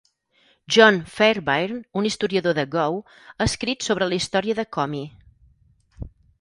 John Fairbairn, un historiador de Go, ha escrit sobre la història de Komi.